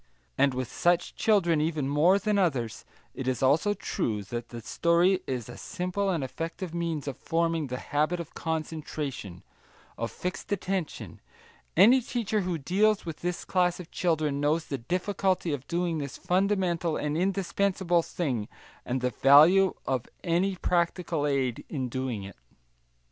And with such children even more than with others it is also true that the story is a simple and effective means of forming the habit of concentration, of fixed attention; any teacher who deals with this class of children knows the difficulty of doing this fundamental and indispensable thing, and the value of any practical aid in doing it.